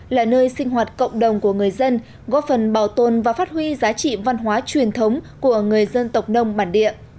là nơi sinh hoạt cộng đồng của người dân góp phần bảo tồn và phát huy giá trị văn hóa truyền thống của người dân tộc nông bản địa